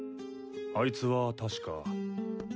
あいつは確か。